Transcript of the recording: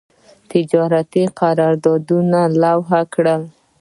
تجارتي قرارداونه لغو کړي.